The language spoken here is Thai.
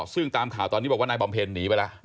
ซึ่งตามข่าวตอนนี้บอกว่านายบำเพ็ญหนีไปแล้ว